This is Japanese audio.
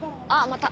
また。